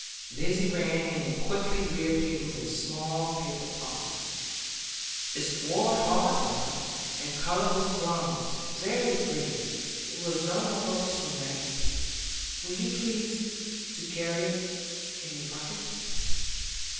Lizzy ran in, and quickly reappeared with a small paper parcel. "It's boiled hard, brother, and coloured with thrums, very pretty; it was done o' purpose for Maggie. Will you please to carry it in your pocket?"